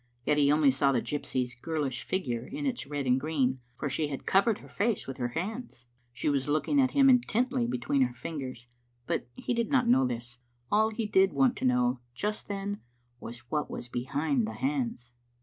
Yet he only saw the gypsy's girlish fig ure in its red and green, for she had covered her face with her hands. She was looking at him intently be tween her fingers, but he did not know this. All he did want to know just then was what was behind the hands.